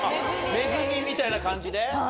みたいな感じで？